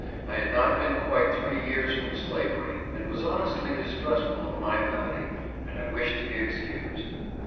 I had not been quite three years from slavery and was honestly distrustful of my ability, and I wished to be excused.